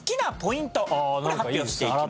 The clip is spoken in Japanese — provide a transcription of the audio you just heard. これ発表していきます。